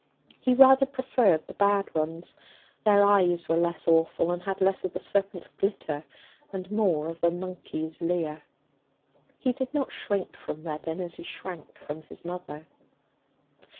He rather preferred the bad ones; their eyes were less awful, and had less of the serpent's glitter and more of the monkey's leer. He did not shrink from Reddin as he shrank from his mother.